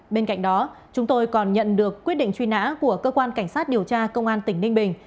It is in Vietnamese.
bên cạnh đó chúng tôi còn nhận được quyết định truy nã của cơ quan cảnh sát điều tra công an tỉnh ninh bình